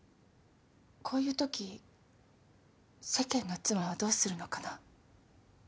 こういうとき世間の妻はどうするのかな？